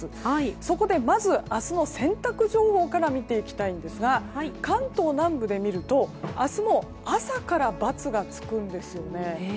そこでまず明日の洗濯情報から見ていきたいんですが関東南部で見ると明日も朝から×がつくんですよね。